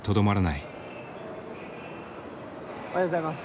おはようございます。